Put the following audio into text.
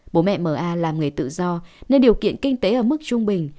bố mẹ m a làm người tự do nên điều kiện kinh tế ở mức trung bình